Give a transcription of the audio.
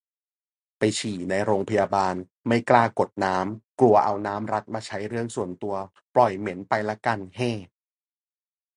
ไปฉี่ในโรงพยาบาล ไม่กล้ากดน้ำ กลัวเอาน้ำรัฐมาใช้เรื่องส่วนตัว ปล่อยเหม็นไปละกัน แฮ่